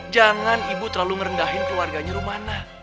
jangan ibu terlalu merendahin keluarganya rumah